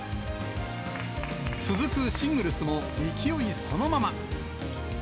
続くシングルスも、勢いそのまま。